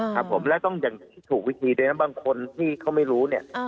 ครับผมและต้องอย่างที่ถูกวิธีด้วยนะบางคนที่เขาไม่รู้เนี่ย